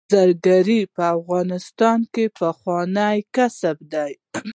زرګري په افغانستان کې پخوانی کسب دی